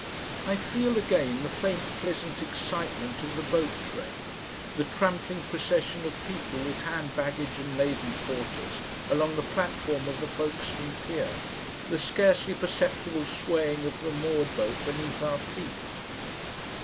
I feel again the faint pleasant excitement of the boat train, the trampling procession of people with hand baggage and laden porters along the platform of the Folkestone pier, the scarcely perceptible swaying of the moored boat beneath our feet.